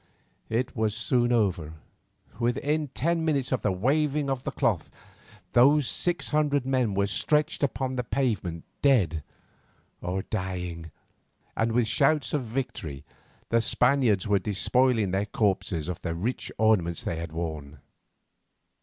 It was soon over; within ten minutes of the waving of the cloth, those six hundred men were stretched upon the pavement dead or dying, and with shouts of victory the Spaniards were despoiling their corpses of the rich ornaments they had worn.